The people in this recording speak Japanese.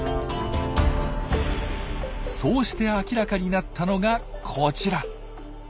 そうして明らかになったのがこちら。